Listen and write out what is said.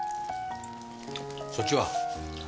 そっちは？